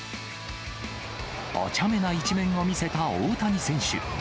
おちゃめな一面を見せた大谷選手。